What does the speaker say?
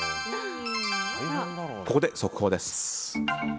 ここで速報です。